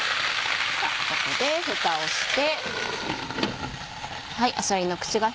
ここでふたをして。